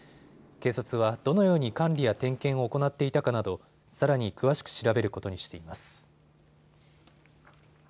警察はどのように管理や点検を行っていたかなどさらに詳しく調べることにしています。